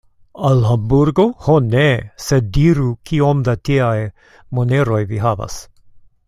Al Hamburgo? Ho ne; sed diru, kiom da tiaj moneroj vi havas.